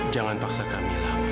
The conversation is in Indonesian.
jangan paksa kamila